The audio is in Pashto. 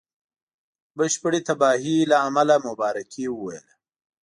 بشپړي تباهی له امله مبارکي وویله.